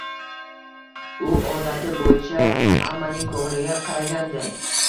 U odati bo`yicha hammaning ko`ngliga qaragandi